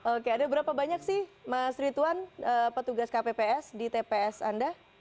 oke ada berapa banyak sih mas rituan petugas kpps di tps anda